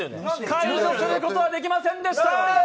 解除することはできませんでした。